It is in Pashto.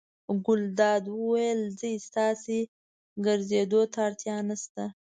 ګلداد وویل: ځئ ستاسې ګرځېدو ته اړتیا نه شته.